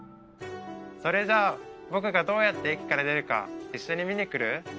それじゃあ僕がどうやって駅から出るか一緒に見に来る？